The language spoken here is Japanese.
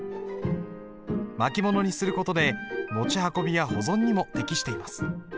巻物にする事で持ち運びや保存にも適しています。